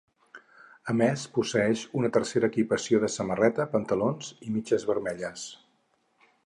A més posseeix una tercera equipació de samarreta, pantalons i mitges vermelles.